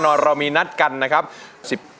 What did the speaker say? และเงินที่สะสมมาจะตกเป็นของผู้ที่ร้องถูก